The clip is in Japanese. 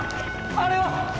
あれは！